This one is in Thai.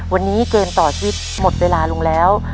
วันนี้เกมต่อชีวิตหมดเวลาลงแล้ว